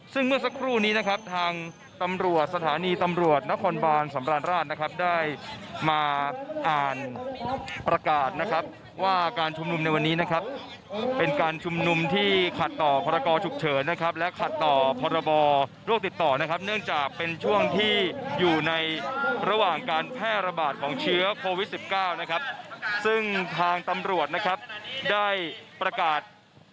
ซึ่งเมื่อสักครู่นี้นะครับทางตำรวจสถานีตำรวจนครบานสำราญราชนะครับได้มาอ่านประกาศนะครับว่าการชุมนุมในวันนี้นะครับเป็นการชุมนุมที่ขัดต่อพรกรฉุกเฉินนะครับและขัดต่อพรบโรคติดต่อนะครับเนื่องจากเป็นช่วงที่อยู่ในระหว่างการแพร่ระบาดของเชื้อโควิด๑๙นะครับซึ่งทางตำรวจนะครับได้ประกาศ